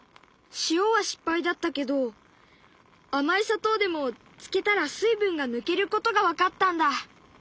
塩は失敗だったけど甘い砂糖でもつけたら水分が抜けることが分かったんだ。